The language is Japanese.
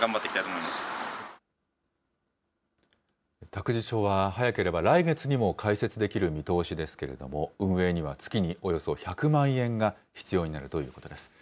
託児所は早ければ来月にも開設できる見通しですけれども、運営には月におよそ１００万円が必要になるということです。